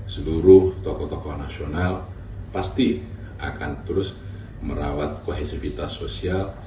seluruh tokoh tokoh nasional pasti akan terus merawat kohesivitas sosial